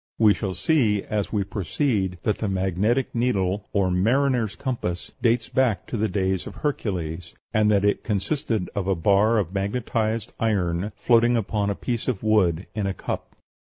We shall see, as we proceed, that the magnetic needle, or "mariner's compass," dates back to the days of Hercules, and that it consisted of a bar of magnetized iron floating upon a piece of wood in a cup.